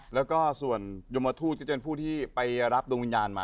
แล้วก็ส่วนยมทูตจะเป็นผู้ที่ไปรับดวงวิญญาณมา